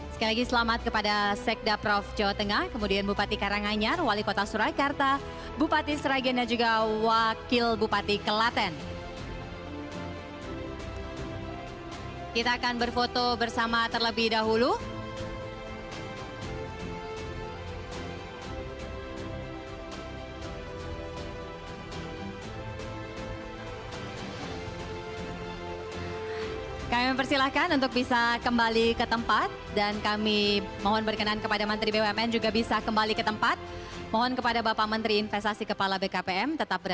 sekali lagi selamat kepada sekda provinsi jawa tengah kemudian bupati karanganyar wali kota surakarta bupati sragen dan juga wakil bupati kelaten